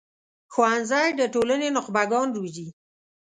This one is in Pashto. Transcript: ښوونځی د ټولنې نخبه ګان روزي